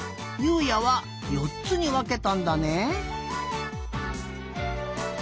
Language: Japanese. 海也は４つにわけたんだね。